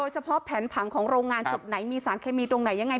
เฉพาะแผนผังของโรงงานจุดไหนมีสารเคมีตรงไหนยังไง